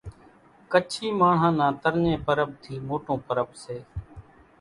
ڪڇي ماڻۿان نان ترڃي پرٻ ٿي موٽون پرٻ سي